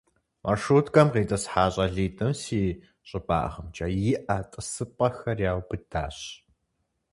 Маршруткэм къитӀысхьа щӀалитӀым си щӀыбагъымкӀэ иӀэ тӀысыпӀэхэр яубыдащ.